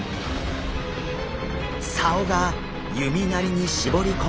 竿が弓なりに絞り込まれます。